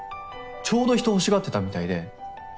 ちょうど人を欲しがってたみたいで。